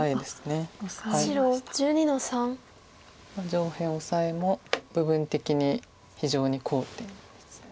上辺オサエも部分的に非常に好点です。